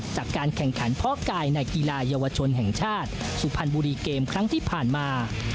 จากการแข่งขันเพาะกายในกีฬาเยาวชนแห่งชาติสุพรรณบุรีเกมครั้งที่ผ่านมา